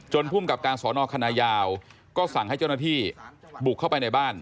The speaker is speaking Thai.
ภูมิกับการสอนอคณะยาวก็สั่งให้เจ้าหน้าที่บุกเข้าไปในบ้าน